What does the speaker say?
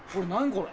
これ。